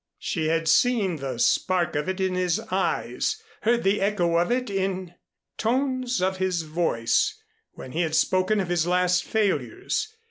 She had seen the spark of it in his eyes, heard the echo of it in tones of his voice when he had spoken of his last failures.